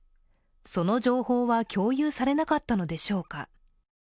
その情報は共有されなかったのでしょうか。